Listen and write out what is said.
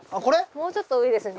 もうちょっと上ですね。